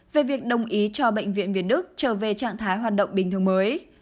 về việc đồng ý cho bệnh viện việt đức trở về trạng thái hoạt động bình thường mới